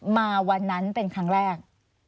มาวันนั้นเป็นครั้งแรก